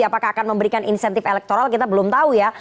apakah akan memberikan insentif elektoral kita belum tahu ya